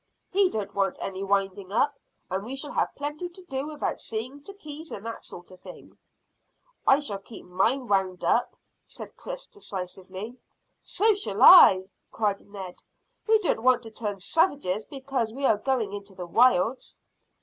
He don't want any winding up, and we shall have plenty to do without seeing to keys and that sort of thing." "I shall keep mine wound up," said Chris decisively. "So shall I," cried Ned. "We don't want to turn savages because we are going into the wilds."